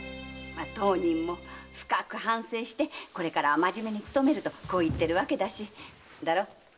当人も深く反省してこれからは真面目に勤めると言ってるわけだしだろ？